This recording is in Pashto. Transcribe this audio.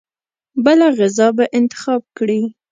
بله غذا به انتخاب کړي.